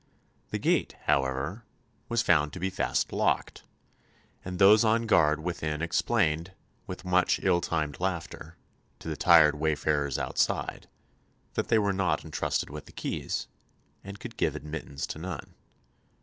The gate, however, was found to be fast locked, and those on guard within explained, with much ill timed laughter, to the tired wayfarers outside, that they were not entrusted with the keys, and could give admittance to none.